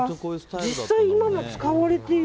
実際に今も使われている？